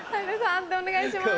判定お願いします。